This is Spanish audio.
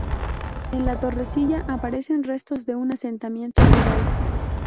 En La Torrecilla aparecen restos de un asentamiento rural.